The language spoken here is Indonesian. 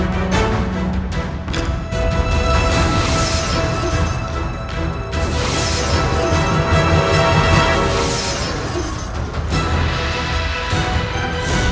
sebelum kau mempelajari kitab ini